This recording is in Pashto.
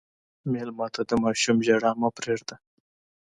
مېلمه ته د ماشوم ژړا مه پرېږده.